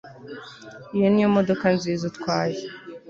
Iyo niyo modoka nziza utwaye